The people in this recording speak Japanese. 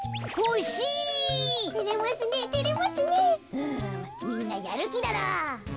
うむみんなやるきだな。